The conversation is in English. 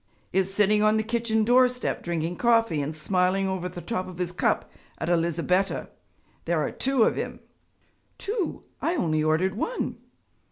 'Is sitting on the kitchen doorstep drinking coffee and smiling over the top of his cup at Elizabetta. There are two of him.' 'Two! I only ordered one.'